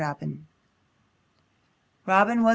Robin." Robin was, &c.